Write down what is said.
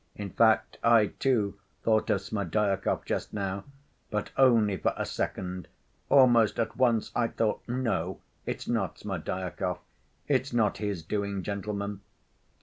In fact, I, too, thought of Smerdyakov just now; but only for a second. Almost at once I thought, 'No, it's not Smerdyakov.' It's not his doing, gentlemen."